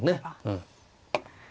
うん。